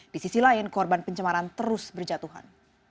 di sisi lain korban pencemaran terus berjatuhan